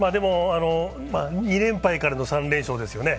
２連敗からの３連勝ですよね。